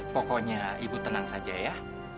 pokoknya ibu tenang saja ya